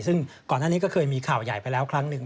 ซึ่งก่อนหน้านี้ก็เคยมีข่าวใหญ่ไปแล้วครั้งหนึ่ง